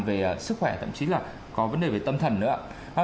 về sức khỏe thậm chí là có vấn đề về tâm thần nữa